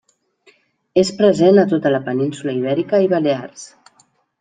És present a tota la península Ibèrica i Balears.